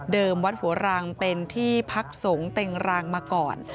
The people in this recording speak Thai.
วัดหัวรังเป็นที่พักสงฆ์เต็งรังมาก่อน